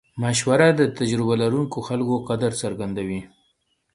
مشوره د تجربه لرونکو خلکو قدر څرګندوي.